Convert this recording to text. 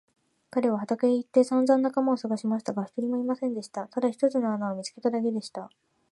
彼は畑へ行ってさんざん仲間をさがしましたが、一人もいませんでした。ただ一つの穴を見つけただけでした。